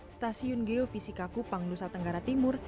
stasiun geofisika kupang nusa tenggara timur